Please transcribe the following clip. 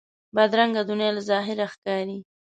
بدرنګه دنیا له ظاهره ښکاري